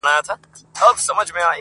حجره سته طالب یې نسته!